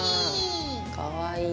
かわいい。